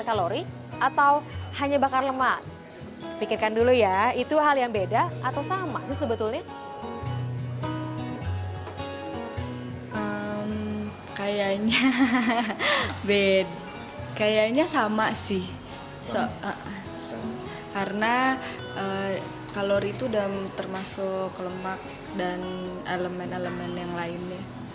kayaknya beda kayaknya sama sih karena kalori itu termasuk lemak dan elemen elemen yang lainnya